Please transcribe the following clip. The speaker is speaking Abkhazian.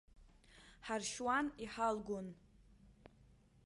Ҳаршьуан, иҳалгон.